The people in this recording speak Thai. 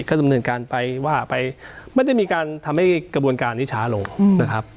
ก็ดำเนินการไปว่าไปไม่ได้มีการทำให้กระบวนการนี้ช้าลงนะครับ